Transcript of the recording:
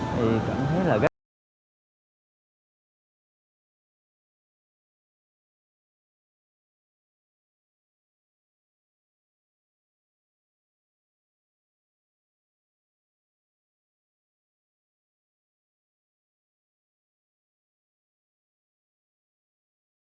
thì cảm thấy là ghét lắm